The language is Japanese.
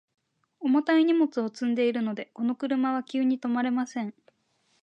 重たい荷物を積んでいるので、この車は急に止まれません。